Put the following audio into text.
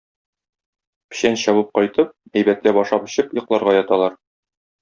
Печән чабып кайтып, әйбәтләп ашап-эчеп, йокларга яталар.